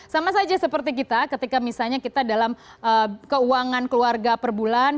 sama saja seperti kita ketika misalnya kita dalam keuangan keluarga per bulan